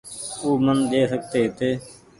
او من ڏي سڪتي هيتي